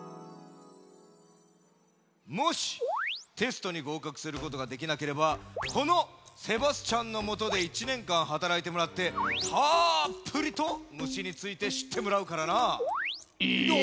もしテストにごうかくすることができなければこのセバスチャンのもとで１ねんかんはたらいてもらってたっぷりと虫についてしってもらうからな。え！？